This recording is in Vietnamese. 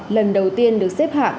lần đầu tiên được xếp hạng